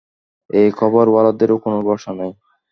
এই খবর ওয়ালাদেরও কোন ভরসা নাই।